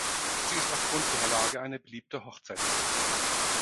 Sie ist aufgrund ihrer Lage eine beliebte Hochzeitskirche.